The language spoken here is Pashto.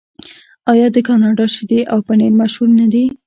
آیا د کاناډا شیدې او پنیر مشهور نه دي؟